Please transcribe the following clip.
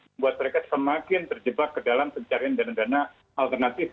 membuat mereka semakin terjebak ke dalam pencarian dana dan dana alternatif